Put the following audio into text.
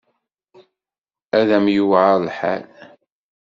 Ad m-yuεer lḥal.